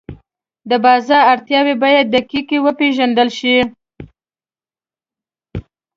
د بازار اړتیاوې باید دقیقې وپېژندل شي.